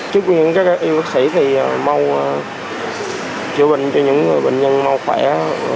chúc những các y bác sĩ thì chữa bệnh cho những bệnh nhân mau khỏe